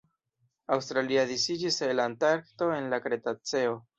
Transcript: Australia disiĝis el Antarkto en la Kretaceo.